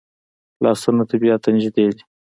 لاسونه طبیعت ته نږدې دي